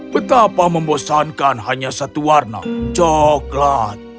betapa membosankan hanya satu warna coklat